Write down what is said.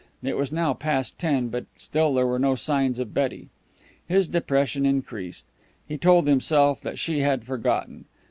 It was now past ten, but still there were no signs of Betty. His depression increased. He told himself that she had forgotten.